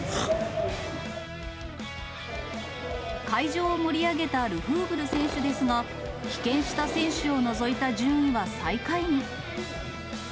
会場を盛り上げたルフーブル選手ですが、棄権した選手を除いた順位は最下位に。